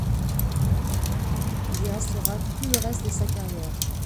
Il y restera tout le reste de sa carrière.